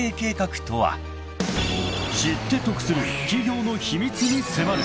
［知って得する企業の秘密に迫る］